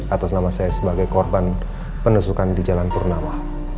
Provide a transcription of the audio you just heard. atas nama saya sebagai korban penusukan di jalan purnama